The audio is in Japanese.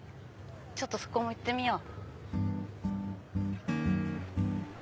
ちょっとそこも行ってみよう。